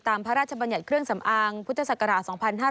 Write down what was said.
พระราชบัญญัติเครื่องสำอางพุทธศักราช๒๕๕๙